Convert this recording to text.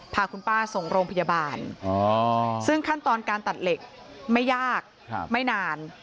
พาคุณป้าส่งโรงพยาบาลซึ่งขั้นตอนการตัดเหล็กไม่ยากไม่นาน